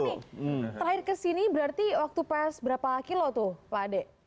ini terakhir kesini berarti waktu pas berapa kilo tuh pak ade